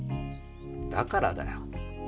だからだよ